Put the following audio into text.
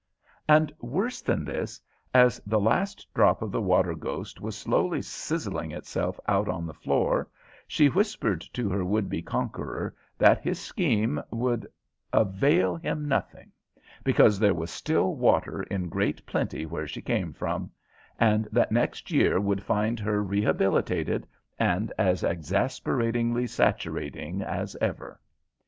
And worse than this, as the last drop of the water ghost was slowly sizzling itself out on the floor, she whispered to her would be conqueror that his scheme would avail him nothing, because there was still water in great plenty where she came from, and that next year would find her rehabilitated and as exasperatingly saturating as ever.